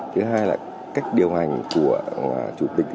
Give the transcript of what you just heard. thứ hai là cách điều hành của chủ tịch